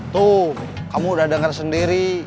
tuh kamu udah dengar sendiri